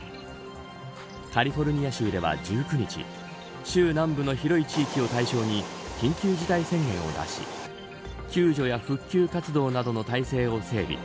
カリフォルニア州では１９日州南部の広い地域を対象に緊急事態宣言を出し救助や復旧活動などの態勢を整備